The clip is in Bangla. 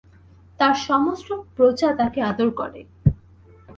তার সমস্ত প্রজা তাকে আদর করে।